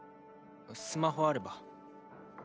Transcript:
スマホあれば。